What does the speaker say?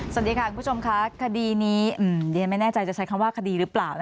สวัสดีค่ะคุณผู้ชมค่ะคดีนี้ดิฉันไม่แน่ใจจะใช้คำว่าคดีหรือเปล่า